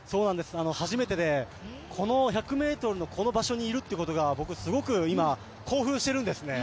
初めてで、この１００ｍのこの場所にいるということが僕、すごく今興奮しているんですね。